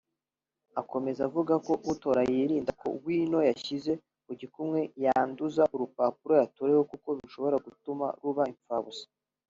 Akomeza avuga ko utora yirinda ko wino yashyize ku gikumwe yanduza urupapuro yatoreyeho kuko bishobora gutuma ruba impfabusa